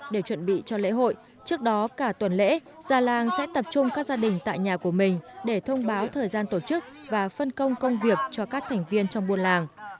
để chuẩn bị cho lễ hội trước đó cả tuần lễ gia làng sẽ tập trung các gia đình tại nhà của mình để thông báo thời gian tổ chức và phân công công việc cho các thành viên trong buôn làng